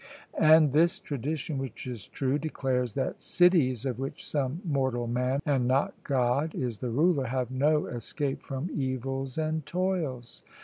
And this tradition, which is true, declares that cities of which some mortal man and not God is the ruler, have no escape from evils and toils.